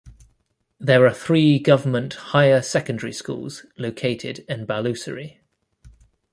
There are three government higher secondary schools located in Balussery.